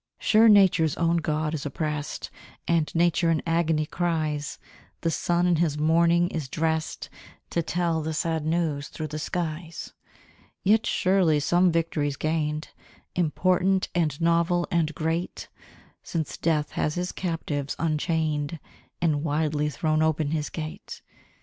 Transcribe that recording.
Sure, Nature's own God is oppressed, And Nature in agony cries; The sun in his mourning is dressed, To tell the sad news through the skies! Yet surely some victory's gained, Important, and novel, and great, Since Death has his captives unchained, And widely thrown open his gate!